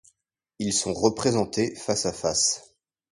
Ils sont représentés face-à-face.